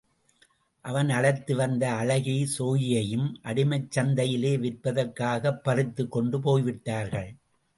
அவன் அழைத்து வந்த அழகி ஸோயியையும் அடிமைச் சந்தையிலே விற்பதற்காகப் பறித்துக் கொண்டு போய்விட்டார்கள்.